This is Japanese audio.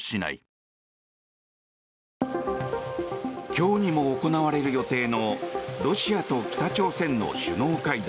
今日にも行われる予定のロシアと北朝鮮の首脳会談。